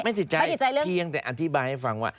ไม่ติดใจเพียงแต่อธิบายให้ฟังว่า